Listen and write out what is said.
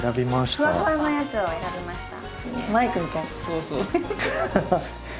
ふわふわのやつを選びました。